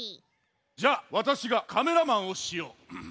じゃあわたしがカメラマンをしよう。